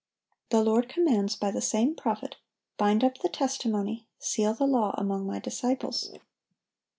The Lord commands by the same prophet, "Bind up the testimony, seal the law among My disciples."